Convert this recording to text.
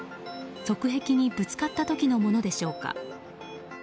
側壁にぶつかった時のものでしょうか。